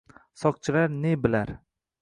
Soqchilar ne bilar